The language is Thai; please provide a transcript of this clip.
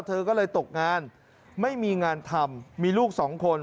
เธอก็เลยตกงานไม่มีงานทำมีลูกสองคน